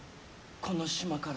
この島から。